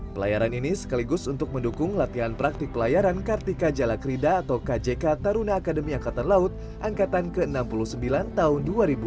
pelayaran ini sekaligus untuk mendukung latihan praktik pelayaran kartika jalakrida atau kjk taruna akademi angkatan laut angkatan ke enam puluh sembilan tahun dua ribu dua puluh